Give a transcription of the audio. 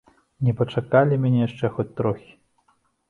Не пачакалі мяне яшчэ хоць трохі.